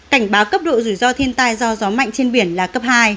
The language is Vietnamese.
cảnh báo cấp độ rủi ro thiên tai do gió mạnh trên biển là cấp hai